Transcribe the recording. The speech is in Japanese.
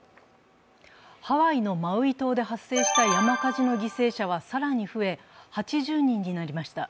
ハワイのマウイ島で発生した山火事の犠牲者は更に増え、８０人になりました。